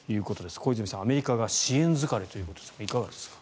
小泉さんアメリカが支援疲れということですがいかがですか。